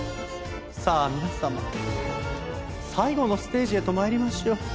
さあ皆様最後のステージへと参りましょう。